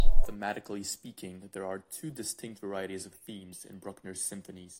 Thematically speaking, there are two distinct varieties of themes in Bruckner's symphonies.